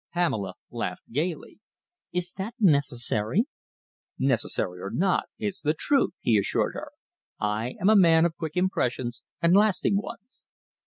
Pamela laughed gaily. "Is that necessary?" "Necessary or not, it's the truth," he assured her. "I am a man of quick impressions and lasting ones."